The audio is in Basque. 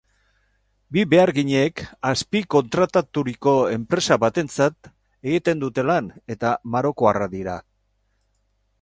Bi beharginek azpikontrataturiko enpresa batentzat egiten dute lan eta marokoarrak dira.